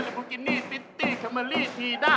ลาบูกินี่ปิ๊ตตี้แคมเมอรี่ทีด้า